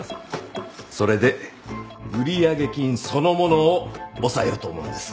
それで売上金そのものを押さえようと思うんです。